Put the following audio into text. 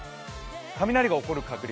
雷が起こる確率